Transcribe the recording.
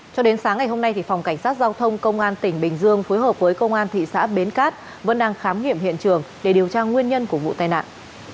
cho đến sáng ngày hôm nay phòng cảnh sát giao thông công an tỉnh bình dương phối hợp với công an thị xã bến cát vẫn đang khám nghiệm hiện trường để điều tra nguyên nhân của vụ tai nạn